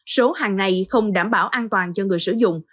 số hàng này không đảm bảo an toàn cho người sử dụng